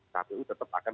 kpu tetap akan